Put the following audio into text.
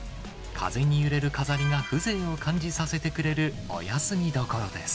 風に揺れる飾りが風情を感じさせてくれるお休みどころです。